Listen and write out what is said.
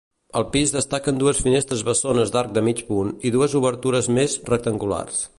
Al pis destaquen dues finestres bessones d'arc de mig punt i dues obertures més rectangulars.